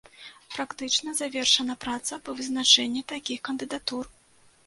Практычна завершана праца па вызначэнні такіх кандыдатур.